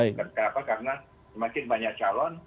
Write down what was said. kenapa karena semakin banyak calon